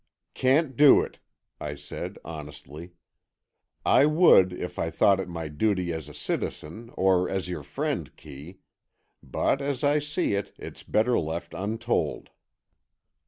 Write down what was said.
"Can't do it," I said, honestly. "I would, if I thought it my duty as a citizen or as your friend, Kee. But, as I see it, it's better left untold."